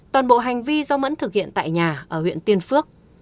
toàn bộ hành vi do mẫn thực hiện tại nhà ở huyện tiên phước